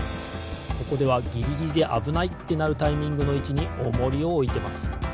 ここではギリギリであぶないってなるタイミングのいちにオモリをおいてます。